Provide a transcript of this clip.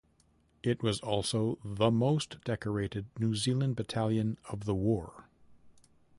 It was also the most decorated New Zealand battalion of the war.